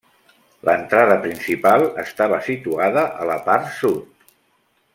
L'entrada principal estava situada a la part sud.